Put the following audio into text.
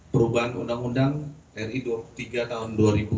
perubahan undang undang ri tiga tahun dua ribu dua